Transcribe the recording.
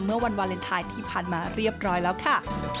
เมื่อวันวาเลนไทยที่ผ่านมาเรียบร้อยแล้วค่ะ